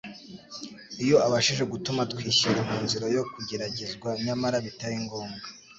Iyo abashije gutuma twishyira mu nzira yo kugeragezwa nyamara bitari ngombwa,